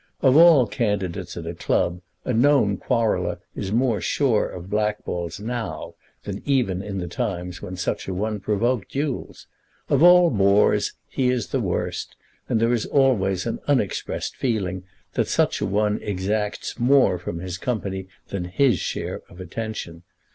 Of all candidates at a club a known quarreller is more sure of blackballs now than even in the times when such a one provoked duels. Of all bores he is the worst; and there is always an unexpressed feeling that such a one exacts more from his company than his share of attention.